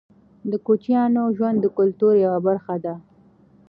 د کوچیانو ژوند د کلتور یوه برخه ده.